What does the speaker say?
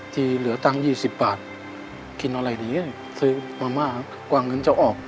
ที่เหลือตังค์๒๐บาทกินอะไรดีซื้อมามากกว่าเงินจะออก